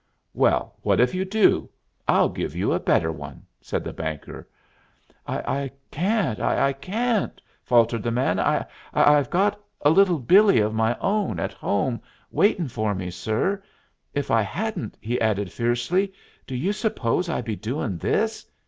"Well, what if you do? I'll give you a better one," said the banker. "I can't I can't!" faltered the man. "I I I've got a Little Billee of my own at home waitin' for me, sir. If I hadn't," he added fiercely, "do you suppose I'd be doin' this?"